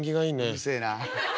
うるせえな。